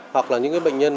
hoặc là những cái bệnh nhân